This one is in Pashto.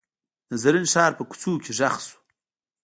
د زرین ښار په کوڅو کې غږ شو.